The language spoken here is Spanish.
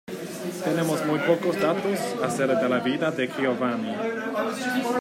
Tenemos muy pocos datos acerca de la vida de Giovanni.